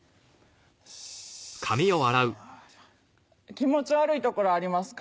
気持ち悪い所ありますか？